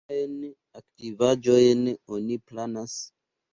Kiajn aktivaĵojn oni planas?